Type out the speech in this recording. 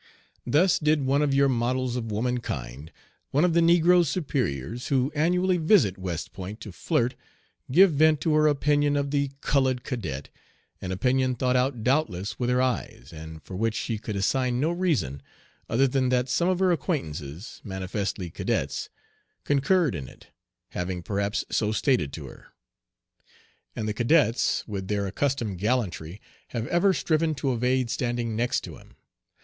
Thus did one of your models of womankind, one of the negro's superiors, who annually visit West Point to flirt, give vent to her opinion of the "cullud cadet," an opinion thought out doubtless with her eyes, and for which she could assign no reason other than that some of her acquaintances, manifestly cadets, concurred in it, having perhaps so stated to her. And the cadets, with their accustomed gallantry, have ever striven to evade "standing next to him."